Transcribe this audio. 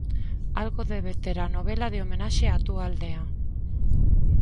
Algo debe ter a novela de homenaxe á túa aldea.